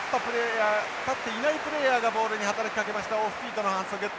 立っていないプレーヤーがボールに働きかけましたオフフィートの反則。